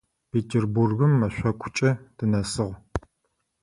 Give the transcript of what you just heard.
Петербургым мэшӏокукӏэ тынэсыгъ.